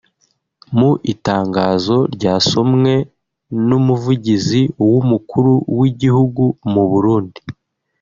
Mu itangazo ryasomwe n’Umuvugizi w’Umukuru w’Igihugu mu Burundi